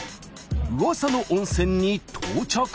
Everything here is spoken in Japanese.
うわさの温泉に到着。